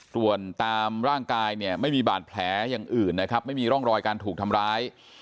ส่วนตามร่างกายเนี่ยไม่มีบาดแผลอย่างอื่นนะครับไม่มีร่องรอยการถูกทำร้าย